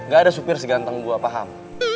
gak ada supir seganteng gue paham